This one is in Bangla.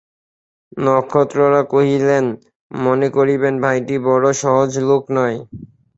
নক্ষত্ররায় কহিলেন, মনে করিবেন ভাইটি বড়ো সহজ লোক নয়।